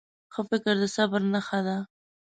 ښه فکر د صبر نښه ده.